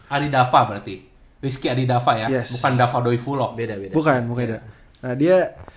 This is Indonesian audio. adidava berarti whiskey adidava ya bukan dava doi full lock beda beda bukan bukan beda nah dia